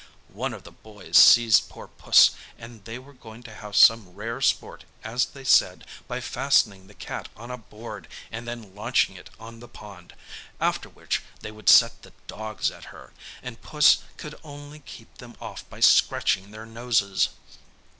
One of the boys seized poor Puss; and they were going to have some rare sport as they said, by fastening the cat on a board, and then launching it on the pond, after which they would set the dogs at her, and Puss could only keep them off by scratching their noses.